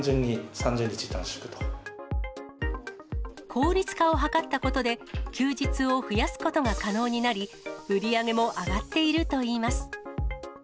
効率化を図ったことで、休日を増やすことが可能になり、売り上げも上がっているといいます。